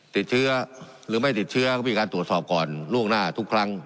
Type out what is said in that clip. ติดเชื้อหรือไม่ติดเชื้อก็มีการตรวจสอบก่อนล่วงหน้าทุกครั้ง